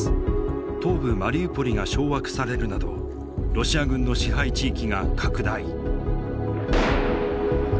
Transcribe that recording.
東部マリウポリが掌握されるなどロシア軍の支配地域が拡大。